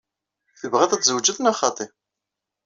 Tebɣiḍ ad tzewǧeḍ neɣ xaṭi?